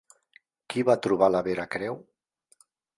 Qui va trobar la Vera Creu?